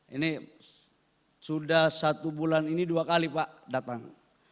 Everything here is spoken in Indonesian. ini sudah satu bulan ini dua kali pak datang